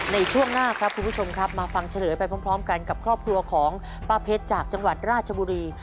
ในช่วงหน้าครับคุณผู้ชมครับมาฟังเฉลยไปพร้อมกันกับครอบครัวของป้าเพชรจากจังหวัดราชบุรี